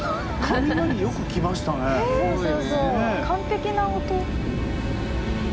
完璧な音。